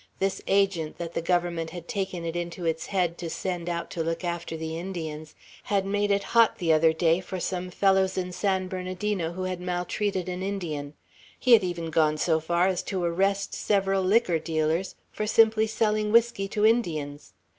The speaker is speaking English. This Agent, that the Government had taken it into its head to send out to look after the Indians, had made it hot, the other day, for some fellows in San Bernardino who had maltreated an Indian; he had even gone so far as to arrest several liquor dealers for simply selling whiskey to Indians.